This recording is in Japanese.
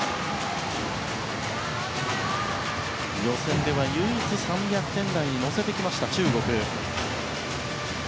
予選では唯一３００点台に乗せてきた中国。